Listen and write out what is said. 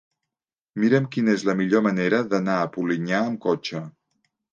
Mira'm quina és la millor manera d'anar a Polinyà amb cotxe.